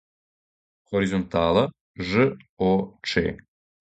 хоризонтала ж о че